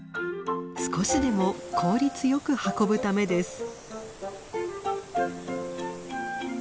少しでも効率よく運ぶためです。